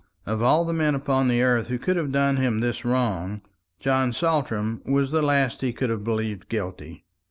Of all the men upon earth who could have done him this wrong, John Saltram was the last he could have believed guilty.